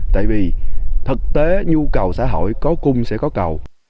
tại vì thực tế nhu cầu xã hội có cung sẽ có cầu